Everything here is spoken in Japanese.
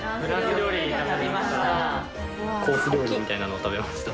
料理みたいなのを食べました。